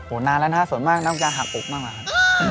โหนานแล้วนะส่วนมากน้องจ้าหักอกมากแล้วครับ